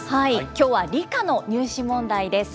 きょうは理科の入試問題です。